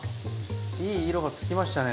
いい色がつきましたね。